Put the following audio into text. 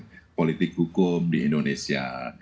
kecurangan politik hukum di indonesia